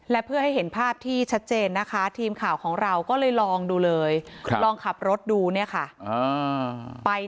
และเพื่อให้เห็นภาพที่ชัดเจนนะคะทีมข่าวของเราก็เลยลองดูเลย